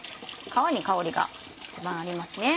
皮に香りが一番ありますね。